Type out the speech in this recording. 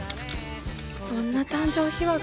そんな誕生秘話が。